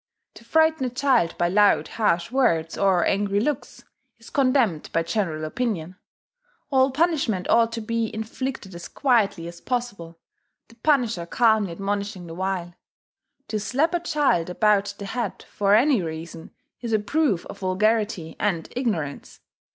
To frighten a child by loud harsh words, or angry looks, is condemned by general opinion: all punishment ought to be inflicted as quietly as possible, the punisher calmly admonishing the while. To slap a child about the head, for any reason, is a proof of vulgarity and ignorance.